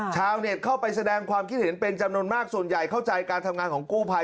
ชาวเน็ตเข้าไปแสดงความคิดเห็นเป็นจำนวนมากส่วนใหญ่เข้าใจการทำงานของกู้ภัย